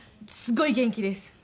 すごい元気です。